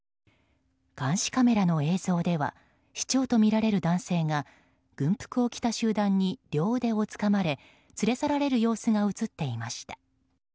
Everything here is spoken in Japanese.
監視カメラの映像では市長とみられる男性が軍服を着た集団に両腕をつかまれ連れ去られる様子が映っていました。